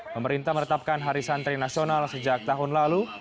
pemerintah menetapkan hari santri nasional sejak tahun lalu